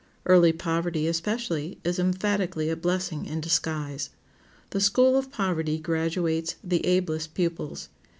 Early poverty, especially, is emphatically a blessing in disguise. The school of poverty graduates the ablest pupils.